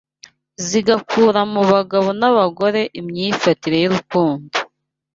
zigakura mu bagabo n’abagore imyifatire y’urukundo